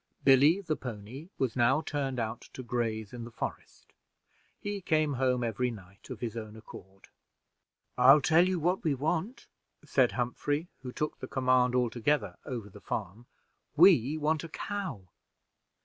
Billy, the pony, was now turned out to graze in the forest; he came home every night of his own accord. "I'll tell you what we want," said Humphrey, who took the command altogether over the farm: "we want a cow."